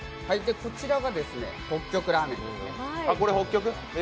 こちらが北極ラーメンですね。